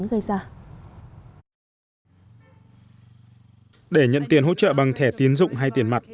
trước khi nhận tiền hỗ trợ bằng thẻ tiến dụng hay tiền mặt